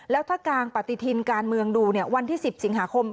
แล้วถ้ากางปฏิทินการเมืองดูวันที่๑๐สิงหาคม